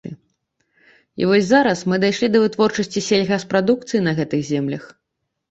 І вось зараз мы дайшлі да вытворчасці сельгаспрадукцыі на гэтых землях.